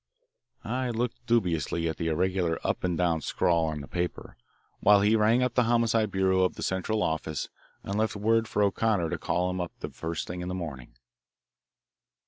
I looked dubiously at the irregular up and down scrawl on the paper, while he rang up the Homicide Bureau of the Central Office and left word for O'Connor to call him up the first thing in the morning.